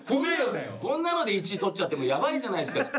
こんなので１位とっちゃって、もうやばいじゃないですか。